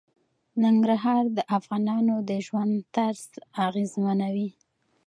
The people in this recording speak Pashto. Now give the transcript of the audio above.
ننګرهار د افغانانو د ژوند طرز اغېزمنوي.